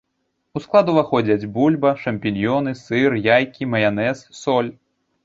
У склад уваходзяць бульба, шампіньёны, сыр, яйкі, маянэз, соль.